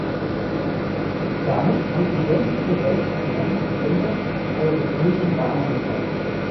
Damit fanden sämtliche Weltcuprennen des Winters auf europäischen Bahnen statt.